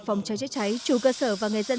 phòng cháy chữa cháy chủ cơ sở và người dân